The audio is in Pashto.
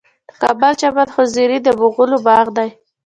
د کابل چمن حضوري د مغلو باغ دی